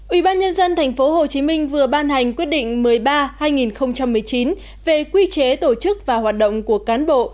ủy ban nhân dân tp hcm vừa ban hành quyết định một mươi ba hai nghìn một mươi chín về quy chế tổ chức và hoạt động của cán bộ